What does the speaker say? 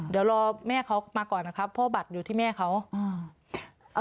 เดี๋ยวรอแม่เขามาก่อนนะครับเพราะบัตรอยู่ที่แม่เขาอ่า